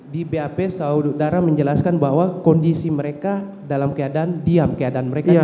di bap saudara menjelaskan bahwa kondisi mereka dalam keadaan diam keadaan mereka